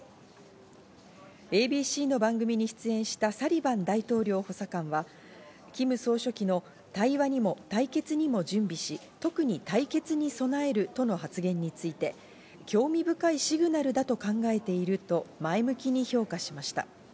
ＡＢＣの番組に出演したサリバン大統領補佐官は、キム総書記の対話にも対決にも準備し、特に対決に備えるとの発言について興味深いシグナルだと考えていると前向きに評価しました。